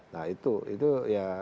nah itu itu ya